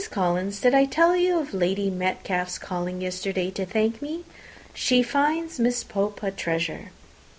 Collins, did I tell you of Lady Metcalfe's calling yesterday to thank me? She finds Miss Pope a treasure.